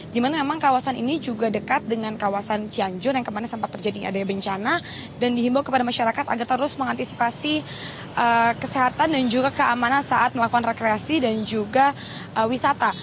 dimana memang kawasan ini juga dekat dengan kawasan cianjur yang kemarin sempat terjadi adanya bencana dan dihimbau kepada masyarakat agar terus mengantisipasi kesehatan dan juga keamanan saat melakukan rekreasi dan juga wisata